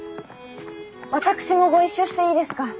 私もご一緒していいですか？